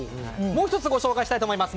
もう１つご紹介します。